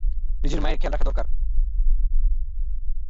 নিজের মায়ের খেয়াল রাখা দরকার।